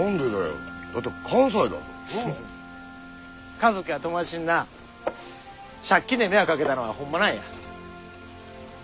家族や友達にな借金で迷惑かけたのはほんまなんや。